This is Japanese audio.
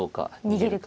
逃げるか。